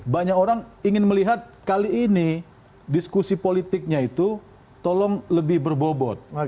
banyak orang ingin melihat kali ini diskusi politiknya itu tolong lebih berbobot